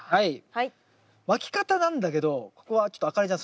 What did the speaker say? まき方なんだけどここはちょっとあかねちゃん